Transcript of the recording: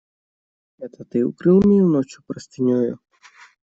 Это ты укрыл меня ночью простынею?